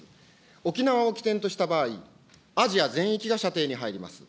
沖縄を起点とした場合、アジア全域が射程に入ります。